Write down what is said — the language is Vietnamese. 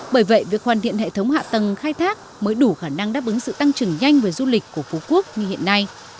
bởi vậy việc hoàn thiện hệ thống hạ tầng khai thác mới đủ khả năng đáp ứng sự tăng trưởng nhanh về du lịch của phú quốc như hiện nay